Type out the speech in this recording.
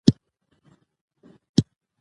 سیاسي قدرت د ولس له خوا ورکول کېږي